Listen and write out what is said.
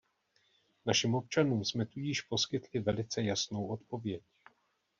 Našim občanům jsme tudíž poskytli velice jasnou odpověď.